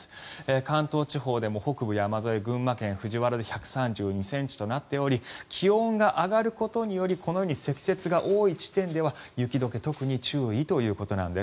関東地方でも北部山沿い群馬県藤原で１３２ｃｍとなっており気温が上がることによりこのように積雪が多い地点では雪解け特に注意ということなんです。